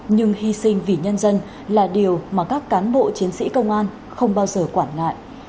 nhưng hy sinh vì nhân dân là điều mà các cán bộ chiến sĩ công an không bao giờ quản ngại